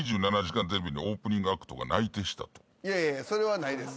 いやいやそれはないです。